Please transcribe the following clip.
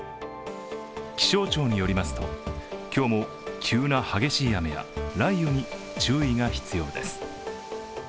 気象庁によりますと、今日も急な激しい雨や雷雨に注意が必要です。